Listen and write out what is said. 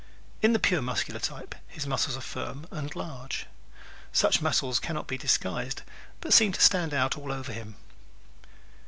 In the pure Muscular type his muscles are firm and large. Such muscles can not be disguised but seem to stand out all over him.